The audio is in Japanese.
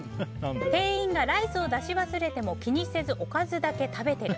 店員がライスを出し忘れても気にせずおかずだけ食べてる。